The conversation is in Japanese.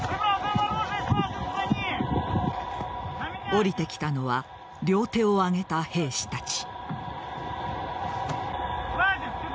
降りてきたのは両手を挙げた兵士たち。